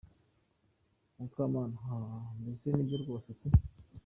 Mukamana: hahahaha mbese? Nibyo rwose pe!.